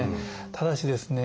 ただしですね